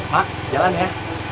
mak jalan ya